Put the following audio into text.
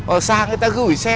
ở xa người ta gửi xe